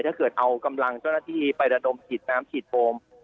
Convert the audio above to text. ถ้าเกิดเอากำลังเจ้าหน้าที่ไประดมฉีดน้ำฉีดโฟม